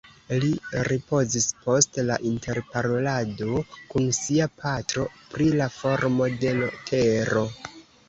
Li ripozis post la interparolado kun sia patro pri la formo de l' tero